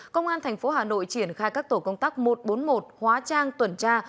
công an tp hà nội triển khai các tổ công tác một trăm bốn mươi một hóa trang tuần tra